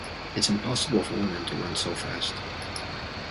It's impossible for women to run so fast.